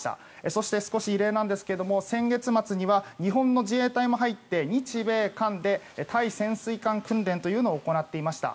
そして、少し異例なんですが先月末には日本の自衛隊も入って日米韓で対潜水艦訓練というのを行っていました。